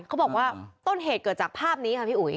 เขาบอกว่าต้นเหตุเกิดจากภาพนี้ค่ะพี่อุ๋ย